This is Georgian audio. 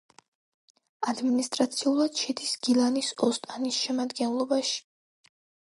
ადმინისტრაციულად შედის გილანის ოსტანის შემადგენლობაში.